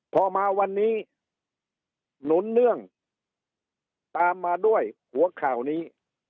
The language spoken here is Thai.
พอมาวันนี้หนุนเนื่องตามมาด้วยหัวข่าวนี้